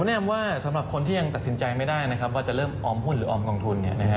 แนะนำว่าสำหรับคนที่ยังตัดสินใจไม่ได้นะครับว่าจะเริ่มออมหุ้นหรือออมกองทุน